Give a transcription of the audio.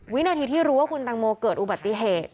วินาทีที่รู้ว่าคุณตังโมเกิดอุบัติเหตุ